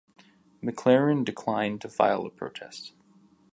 McLaren declined to file a protest.